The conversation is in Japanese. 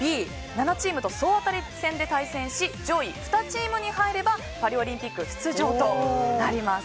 ７チームと総当たり戦で対戦し上位２チームに入ればパリオリンピック出場となります。